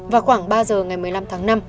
vào khoảng ba giờ ngày một mươi năm tháng năm